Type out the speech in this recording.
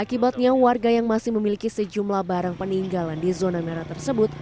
akibatnya warga yang masih memiliki sejumlah barang peninggalan di zona merah tersebut